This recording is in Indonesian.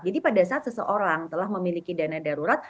jadi pada saat seseorang telah memiliki dana darurat